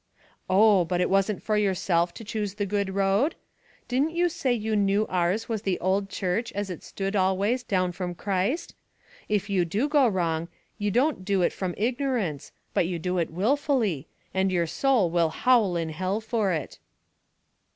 "Oh, but isn't it for yourself to choose the good road? didn't you say you knew ours was the ould church as it stood always down from Christ? If you do go wrong, you don't do it from ignorance, but you do it wilfully, and your sowl will howl in hell for it."